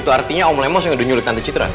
itu artinya om lemus yang udah nyulik tante citra